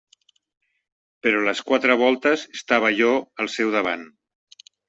Però les quatre voltes estava allò al seu davant.